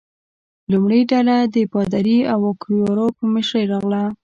لومړۍ ډله د پادري اکواویوا په مشرۍ راغله.